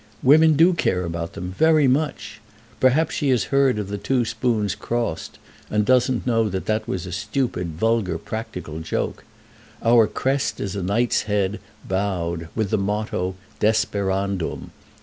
"Women do care about them, very much. Perhaps she has heard of the two spoons crossed, and doesn't know that that was a stupid vulgar practical joke. Our crest is a knight's head bowed, with the motto, 'Desperandum.'